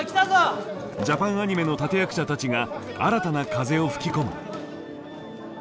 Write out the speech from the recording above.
ジャパンアニメの立て役者たちが新たな風を吹き込む。